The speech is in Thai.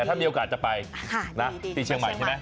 ถ้ามีโอกาสจะไปที่เชียงใหม่ใช่ไหม